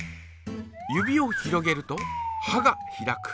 指を広げるとはが開く。